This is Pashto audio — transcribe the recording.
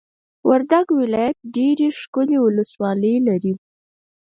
وردګ ولایت ډېرې ښکلې ولسوالۍ لري!